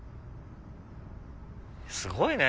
すごいね！